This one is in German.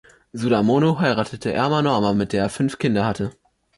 Sudharmono heiratete Erma Norma, mit der er fünf Kinder hatte.